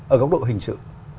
ở góc độ hình sự